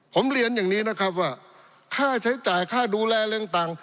ผมเรียนอย่างนี้นะครับว่าค่าใช้จ่ายค่าดูแลเรื่องต่าง